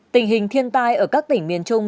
tình hình thiên tai ở các tỉnh miền trung